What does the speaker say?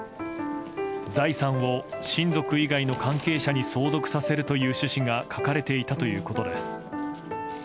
財産を親族以外の関係者に相続させるという趣旨が書かれていたということです。